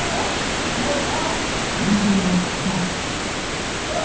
よかよか。